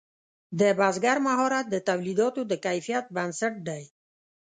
د بزګر مهارت د تولیداتو د کیفیت بنسټ دی.